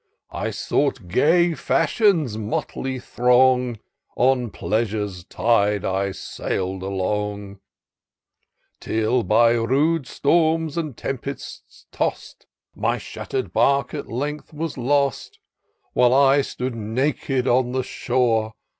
I sought gay Fashion's motley throng. On Pleasure's tide I sail'd along ; Till, by rude storms and tempests toss'd. My shatter'd bark at length was lost ; While I stood naked on the shore.